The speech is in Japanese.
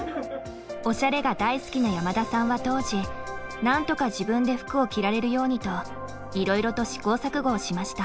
おしゃれが大好きな山田さんは当時なんとか自分で服を着られるようにといろいろと試行錯誤をしました。